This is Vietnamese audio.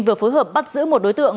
vừa phối hợp bắt giữ một đối tượng